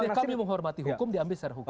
ya kami menghormati hukum diambil secara hukum